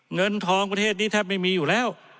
เงินทองประเทศนี้แทบไม่มีอยู่แล้ว